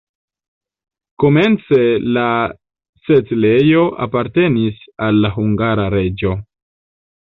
Komence la setlejo apartenis al la hungara reĝo.